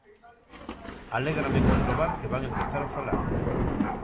Alégrame comprobar que van empezar a falar.